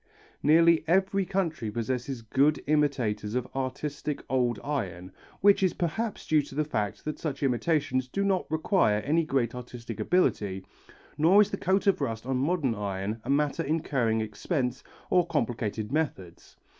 Nearly every country possesses good imitators of artistic old iron, which is perhaps due to the fact that such imitations do not require any great artistic ability, nor is the coat of rust on modern iron a matter incurring expense or complicated methods.